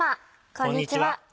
こんにちは。